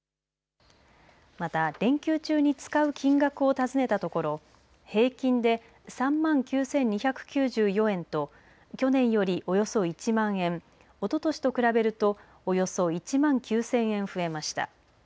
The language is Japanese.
また、連休中に使う金額を尋ねたところ平均で３万９２９４円と去年よりおよそ１万円、おととしと比べるとおよそ１万９０００円増えました。